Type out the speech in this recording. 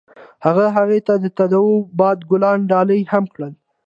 هغه هغې ته د تاوده باد ګلان ډالۍ هم کړل.